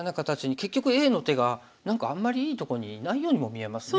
結局Ａの手が何かあんまりいいところにいないようにも見えますね